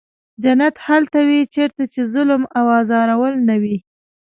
جنت هلته وي چېرته چې ظلم او ازارول نه وي.